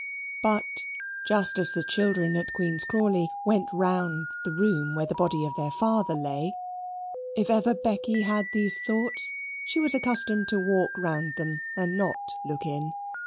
But just as the children at Queen's Crawley went round the room where the body of their father lay if ever Becky had these thoughts, she was accustomed to walk round them and not look in.